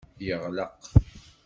Yeɣleq.